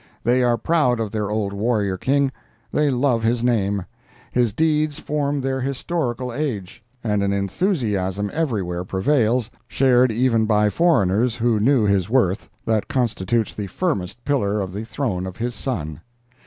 They are proud of their old warrior King; they love his name; his deeds form their historical age; and an enthusiasm everywhere prevails, shared even by foreigners who knew his worth, that constitutes the firmest pillar of the throne of his son.